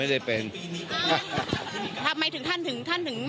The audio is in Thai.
อันนี้จะต้องจับเบอร์เพื่อที่จะแข่งกันแล้วคุณละครับ